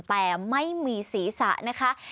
แต่ไม่มีศีรษะนะคะ